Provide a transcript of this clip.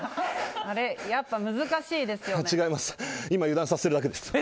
やっぱり難しいですよね。